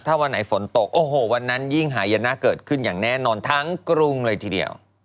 ถ้าวันไหนฝนตกโอ้โหวันนั้นยิ่งหายนะเกิดขึ้นอย่างแน่นอนทั้งกรุงเลยทีเดียว